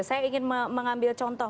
saya ingin mengambil contoh